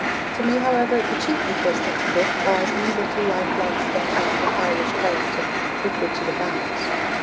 To me, however, the chief interest of the book lies in the little lifelike sketches of Irish character with which it abounds.